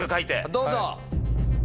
どうぞ。